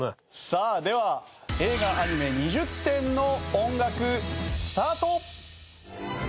さあでは映画・アニメ２０点の音楽スタート！